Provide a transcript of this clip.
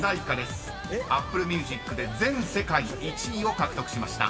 ［ＡｐｐｌｅＭｕｓｉｃで全世界１位を獲得しました］